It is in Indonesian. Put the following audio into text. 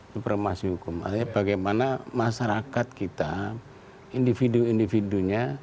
supremasi hukum artinya bagaimana masyarakat kita individu individunya